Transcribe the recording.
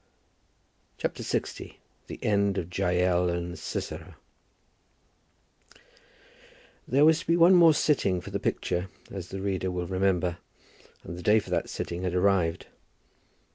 CHAPTER LX. THE END OF JAEL AND SISERA. There was to be one more sitting for the picture, as the reader will remember, and the day for that sitting had arrived.